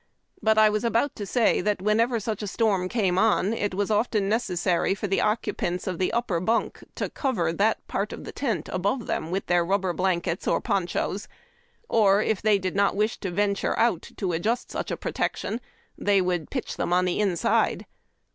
But I was about to sa}^ tliat when ever such a storm came on it was often necessary for the occupants of the upper bunk to cover that part of the tent above them with their rubber blankets or ponchos ; or, if they did not wish to venture out to adjust such a protection, they would pitch them on the inside.